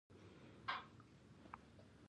يعني نا شکري وکړه نو داسي عذاب به ورکړم چې